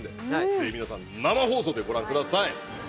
ぜひ皆さん生放送でご覧ください。